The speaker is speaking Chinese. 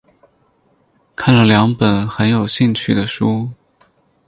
看了两本很有兴趣的书